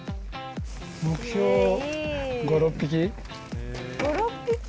目標、５、６匹。